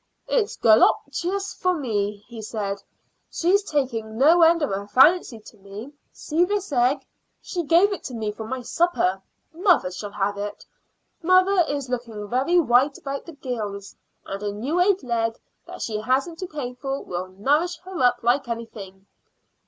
"It's golloptious for me," he said. "She's taking no end of a fancy to me. See this egg? She gave it to me for my supper. Mother shall have it. Mother is looking very white about the gills; a new laid egg that she hasn't to pay for will nourish her up like anything."